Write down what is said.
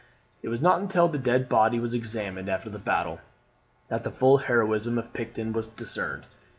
It was not until the dead body was examined after the battle, that the full heroism of Picton was discerned.